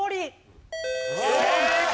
正解！